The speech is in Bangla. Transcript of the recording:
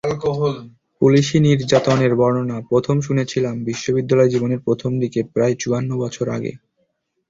পুলিশি নির্যাতনের বর্ণনা প্রথম শুনেছিলাম বিশ্ববিদ্যালয়জীবনের প্রথম দিকে, প্রায় চুয়ান্ন বছর আগে।